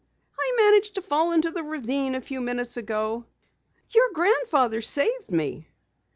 "I managed to fall into the ravine a few minutes ago. Your grandfather saved me."